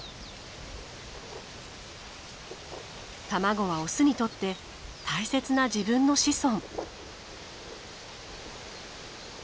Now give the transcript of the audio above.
卵はオスにとって大切な自分の子孫。